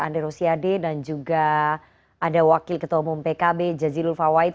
andre rosiade dan juga ada wakil ketua umum pkb jazil ulfa white